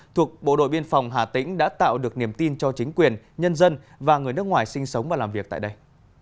thuộc bộ đội biên phòng hà tĩnh đã tạo được niềm tin cho chính quyền nhân dân và người nước ngoài sinh sống và làm việc tại đây